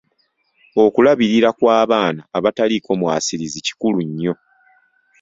Okulabirira kw'abaana abataliiko mwasirizi kikulu nnyo.